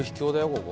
ここ。